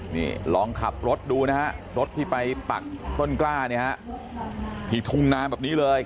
นี่ลองขับรถดูนะฮะรถที่ไปปักต้นกล้าเนี่ยฮะที่ทุ่งนาแบบนี้เลย